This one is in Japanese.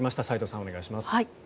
斎藤さん、お願いします。